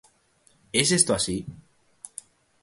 ¿Es esto así?